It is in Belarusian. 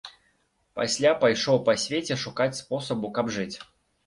Пасля пайшоў па свеце шукаць спосабу, каб жыць.